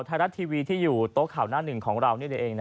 ไทยรัตทีวีที่อยู่โต๊ะข่าวหน้า๑ของเรา